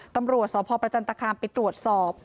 ตรวจสอบพอประจันตราคารไปตรวจสอบ